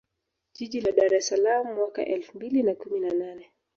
Jiji la Dar es Salaam mwaka elfu mbili na kumi na nane